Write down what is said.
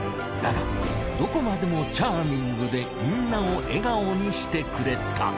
だがどこまでもチャーミングでみんなを笑顔にしてくれた。